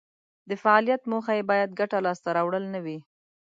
د فعالیت موخه یې باید ګټه لاس ته راوړل نه وي.